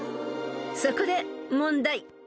［そこで問題］